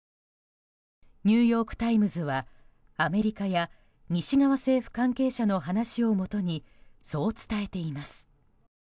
ニューヨーク・タイムズはアメリカや西側政府関係者の話をもとにそう伝えています。